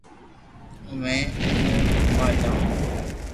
اووي امو گوموا جاوُ